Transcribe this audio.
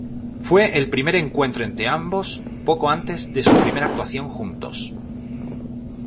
Fue el primer encuentro entre ambos poco antes de su primera actuación juntos.